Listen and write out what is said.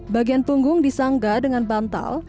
bagian punggung disanggah dengan bantal